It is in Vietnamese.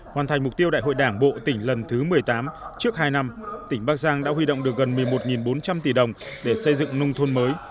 hoàn thành mục tiêu đại hội đảng bộ tỉnh lần thứ một mươi tám trước hai năm tỉnh bắc giang đã huy động được gần một mươi một bốn trăm linh tỷ đồng để xây dựng nông thôn mới